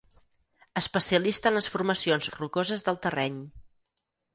Especialista en les formacions rocoses del terreny.